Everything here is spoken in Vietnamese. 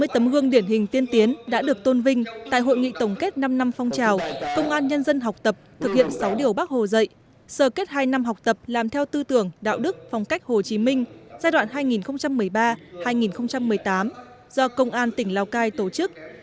tám mươi tấm gương điển hình tiên tiến đã được tôn vinh tại hội nghị tổng kết năm năm phong trào công an nhân dân học tập thực hiện sáu điều bác hồ dạy sơ kết hai năm học tập làm theo tư tưởng đạo đức phong cách hồ chí minh giai đoạn hai nghìn một mươi ba hai nghìn một mươi tám do công an tỉnh lào cai tổ chức